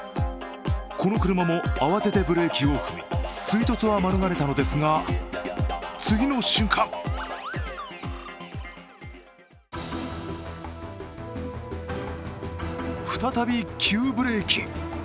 この車も慌ててブレーキを踏み追突は免れたのですが次の瞬間再び急ブレーキ。